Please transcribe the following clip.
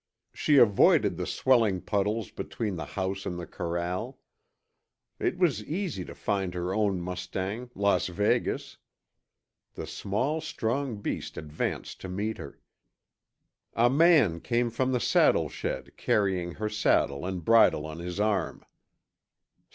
She avoided the swelling puddles between the house and the corral. It was easy to find her own mustang, Las Vegas. The small, strong beast advanced to meet her. A man came from the saddle shed carrying her saddle and bridle on his arm.